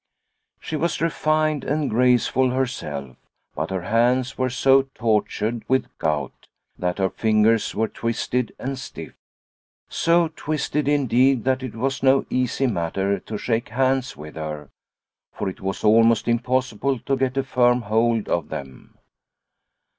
She was refined and graceful herself ; but her hands were so tortured with gout, that her fingers were twisted and stiff; so twisted, indeed, that it was no easy matter to shake hands with her, for it was almost impossible to get a firm hold of them.